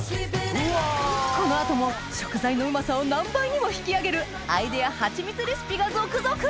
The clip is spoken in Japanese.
この後も食材のうまさを何倍にも引き上げるアイデアハチミツレシピが続々！